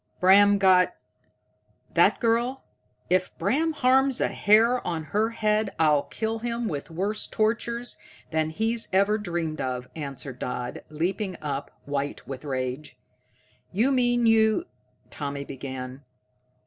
"Bram got that girl? If Bram harms a hair of her head I'll kill him with worse tortures than he's ever dreamed of," answered Dodd, leaping up, white with rage. "You mean you ?" Tommy began.